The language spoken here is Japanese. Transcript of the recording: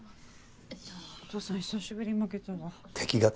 お父さん久しぶりに負けたわ